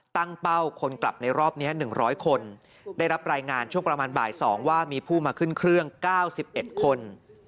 เป้าคนกลับในรอบนี้๑๐๐คนได้รับรายงานช่วงประมาณบ่าย๒ว่ามีผู้มาขึ้นเครื่อง๙๑คน